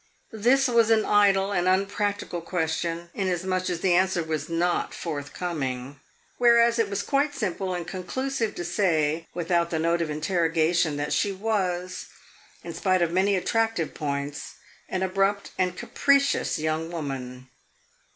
This was an idle and unpractical question, inasmuch as the answer was not forthcoming; whereas it was quite simple and conclusive to say, without the note of interrogation, that she was, in spite of many attractive points, an abrupt and capricious young woman.